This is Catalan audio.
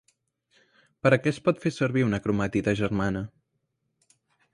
Per a què es pot fer servir una cromàtide germana?